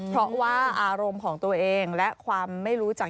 เพราะว่าอารมณ์ของตัวเองและความไม่รู้จัก